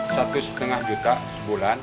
satu setengah juta sebulan